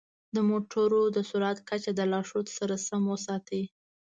د موټرو د سرعت کچه د لارښود سره سم وساتئ.